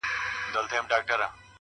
مثبت فکرونه مثبت عادتونه زېږوي؛